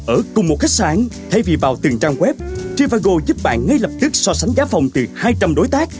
ở cùng một khách sáng thay vì vào từng trang web trivago giúp bạn ngay lập tức so sánh giá phòng từ hai trăm linh đối tác